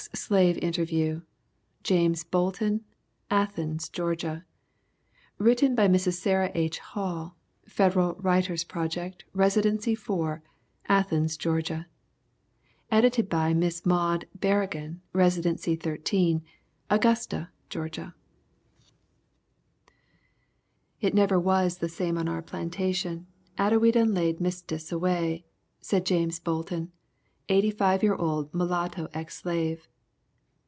EX SLAVE INTERVIEW JAMES BOLTON Athens, Georgia Written by: Mrs. Sarah H. Hall Federal Writers' Project Residency 4 Athens, Georgia Edited by: Miss Maude Barragan Residency 13 Augusta, Georgia "It never was the same on our plantation atter we done laid Mistess away," said James Bolton, 85 year old mulatto ex slave.